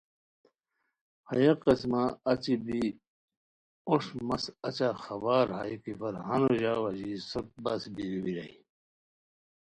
ہیہ قسمہ اچی بی اوشٹ مس اچہ خبر ہائے کی فرہانو ژاؤ اژی سوت بس بیرو بیرائے